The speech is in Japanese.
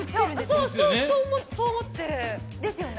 そうそう、そう思って。